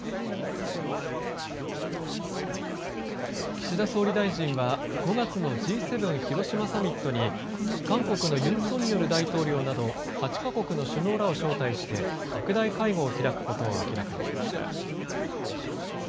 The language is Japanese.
岸田総理大臣は５月のＧ７広島サミットに韓国のユン・ソンニョル大統領など８か国の首脳らを招待して拡大会合を開くことを明らかにしました。